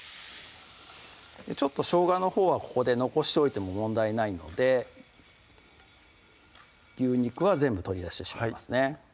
ちょっとしょうがのほうはここで残しておいても問題ないので牛肉は全部取り出してしまいますね